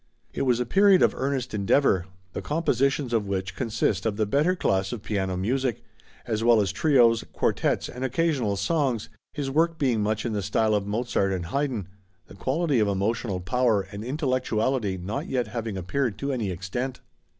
It was a period of earnest endeavor, the compositions of which consist of the better class of piano music, as well as trios, quartets and occasional songs, his work being much in the style of Mozart and Haydn; the quality of emotional power and intellectuality not yet having appeared to any extent.